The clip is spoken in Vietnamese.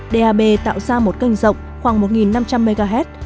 dab tạo ra một kênh rộng khoảng một năm trăm linh mhz